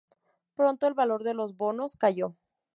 Pronto, el valor de los bonos cayó.